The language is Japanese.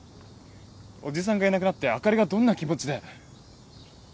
おじさんがいなくなってあかりがどんな気持ちで。